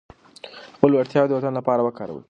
خپلې وړتیاوې د وطن لپاره وکاروئ.